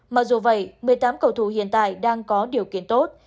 mặc dù vậy một mươi tám cầu thủ hiện tại đang có điều kiện tốt